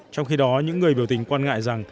trong khi đó những người biểu tình quan ngại rằng